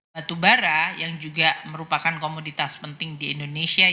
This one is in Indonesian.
batu bara yang juga merupakan komoditas penting di indonesia